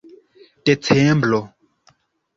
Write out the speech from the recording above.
decembro